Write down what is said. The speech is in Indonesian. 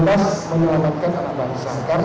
karena kecelakaan selalu dijalankan dengan pelanggaran